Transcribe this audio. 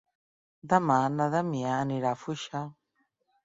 Demà na Damià anirà a Foixà.